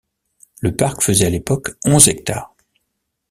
Le parc faisait à l'époque onze hectares.